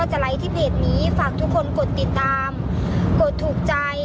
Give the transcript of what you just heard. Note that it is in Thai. ๐แฮงคักเลย